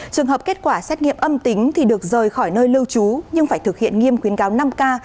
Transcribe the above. trường hợp kết quả xét nghiệm âm tính thì được rời khỏi nơi lưu trú nhưng phải thực hiện nghiêm khuyến cáo năm k